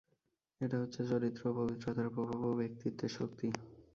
এটা হচ্ছে চরিত্রের ও পবিত্রতার প্রভাব, ও ব্যক্তিত্বের শক্তি।